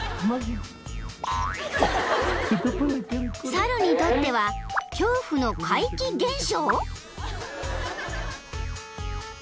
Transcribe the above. ［猿にとっては恐怖の怪奇現象？］